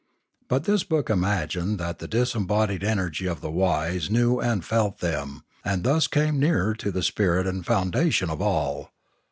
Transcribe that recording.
But this book imagined that the disembodied energy of the wise knew and felt them, and thus came nearer to the spirit and fountain of all.